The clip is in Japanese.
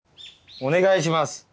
お願いします。